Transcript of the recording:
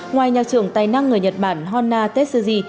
ngoài nhà trưởng tài năng người nhật bản honna tetsuji